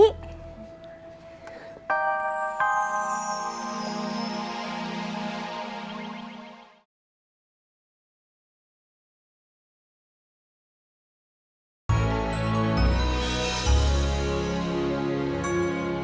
sampai jumpa lagi